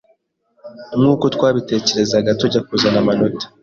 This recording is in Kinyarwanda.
nkuko twabitekerezaga tujya kuzana amanota